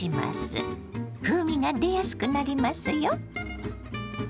風味が出やすくなりますよ。